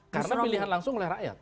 karena pilihan langsung oleh rakyat